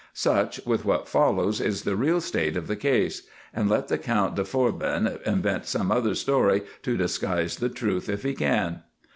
Such, with what follows, is the real state of the case; and let the Count de Forbin invent some other story to disguise the truth, if he can.